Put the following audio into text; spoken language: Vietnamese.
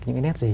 những cái nét gì